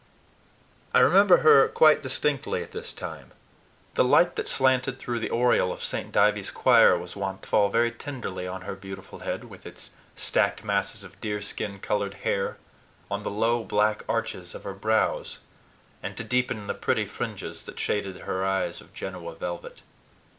I remember her quite distinctly at this time. The light that slanted through the oriel of St. Dives's choir was wont to fall very tenderly on her beautiful head with its stacked masses of deerskin colored hair, on the low black arches of her brows, and to deepen the pretty fringes that shaded her eyes of Genoa velvet.